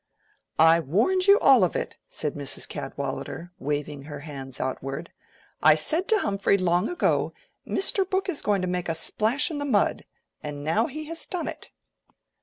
"I warned you all of it," said Mrs. Cadwallader, waving her hands outward. "I said to Humphrey long ago, Mr. Brooke is going to make a splash in the mud. And now he has done it."